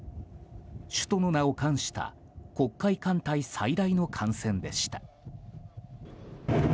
首都の名を冠した黒海艦隊最大の艦船でした。